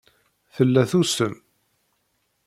Tella tusem.